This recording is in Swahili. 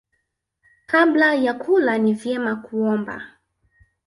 Kabla ya kula ni vyema kuomba.